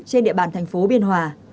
trên địa bàn thành phố biên hòa